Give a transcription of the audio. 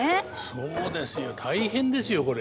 そうですよ大変ですよこれ。